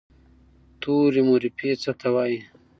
توري مورفي څه ته وایي؟